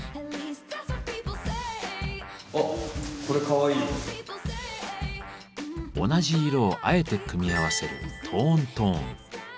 あっ同じ色をあえて組み合わせる「トーントーン」。